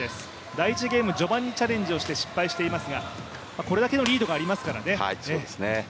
第１ゲーム序盤にチャレンジをして失敗していますがこれだけのリードがありますからね。